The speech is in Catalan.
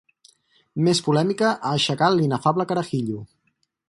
Més polèmica ha aixecat l'inefable "carajillo".